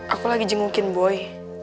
aku lagi jengukin boy